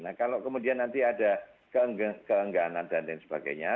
nah kalau kemudian nanti ada keengganan dan lain sebagainya